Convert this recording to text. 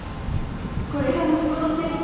これが息子の成長